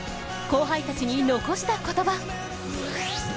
後輩たちに残した言葉。